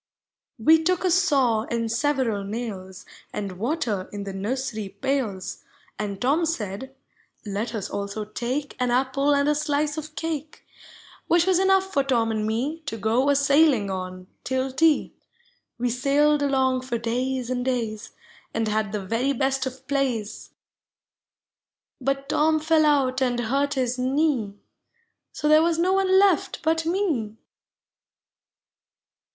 We took a saw and several nails, And water iu the nursery pails; And Tom said, " Let us also take An apple and a slice of cake; "— Which was enough for Tom and me To go a sailing on, till tea. We sailed along for days and days, And had the very best of plays; But Tom fell out and hurt his knee, So there was no one left but me.